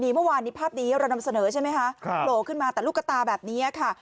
เมื่อวานนี้ภาพนี้เรานำเสนอใช่ไหมคะโผล่ขึ้นมาแต่ลูกตาแบบนี้ค่ะ